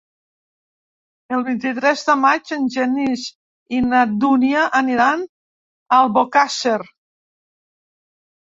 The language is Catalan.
El vint-i-tres de maig en Genís i na Dúnia aniran a Albocàsser.